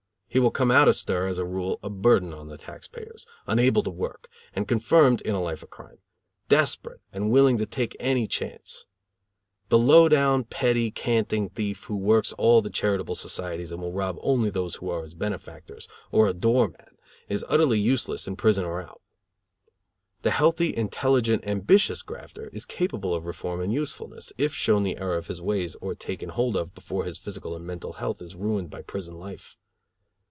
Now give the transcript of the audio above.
He will come out of stir, as a rule, a burden on the tax payers, unable to work, and confirmed in a life of crime; desperate, and willing to take any chance. The low down, petty, canting thief, who works all the charitable societies and will rob only those who are his benefactors, or a door mat, is utterly useless in prison or out. The healthy, intelligent, ambitious grafter is capable of reform and usefulness, if shown the error of his ways or taken hold of before his physical and mental health is ruined by prison life.